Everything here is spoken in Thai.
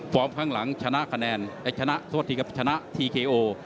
ฟอร์มข้างหลังชนะทีเคโอ